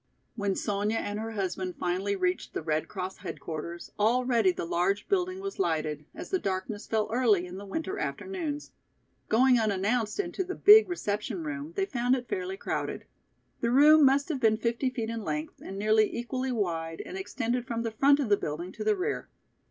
When Sonya and her husband finally reached the Red Cross headquarters, already the large building was lighted, as the darkness fell early in the winter afternoons. Going unannounced into the big reception room they found it fairly crowded. The room must have been fifty feet in length and nearly equally wide and extended from the front of the building to the rear.